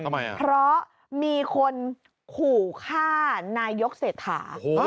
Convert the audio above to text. ทำไมอ่ะเพราะมีคนขู่ฆ่านายกเศรษฐา